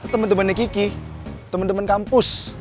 temen temennya kiki temen temen kampus